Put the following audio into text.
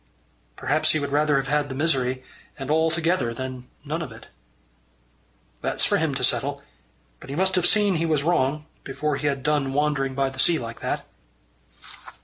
"Perhaps he would rather have had the misery and all together than none of it." "That's for him to settle. But he must have seen he was wrong, before he had done wandering by the sea like that."